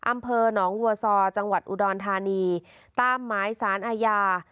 อำเภอหนองวัวซอจังหวัดอุดรธานีตามหมายสารอาญา